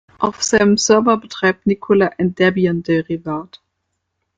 Auf seinem Server betreibt Nikolai ein Debian-Derivat.